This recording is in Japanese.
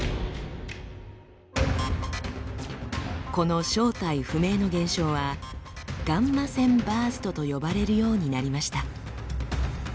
この正体不明の現象は「ガンマ線バースト」と呼ばれるようになりました。